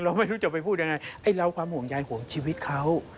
ไม่รู้จะไปพูดยังไงไอ้เราความห่วงใยห่วงชีวิตเขา